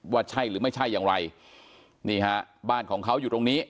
ว่าใช่หรือไม่ใช่อย่างไรนี่ฮะบ้านของเขาอยู่ตรงนี้